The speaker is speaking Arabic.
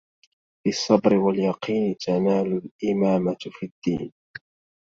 بالصبر واليقين تنال الإمامة في الدين.